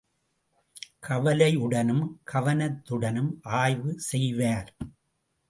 கவலையுடனும் கவனத்துடனும் ஆய்வு செய்வார்!